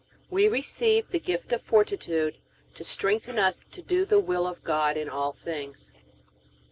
We receive the gift of Fortitude to strengthen us to do the will of God in all things.